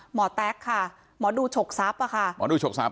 หมอแต๊กค่ะหมอดูฉกซับค่ะค่ะ